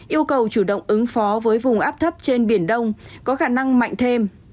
yêu cầu chủ động ứng phó với vùng áp thấp trên biển đông có khả năng mạnh thêm